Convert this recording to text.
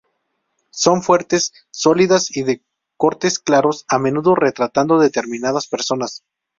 Son fuertes, sólidas y de cortes claros, a menudo retratando determinadas personas.